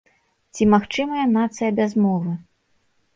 Ці магчымая нацыя без мовы?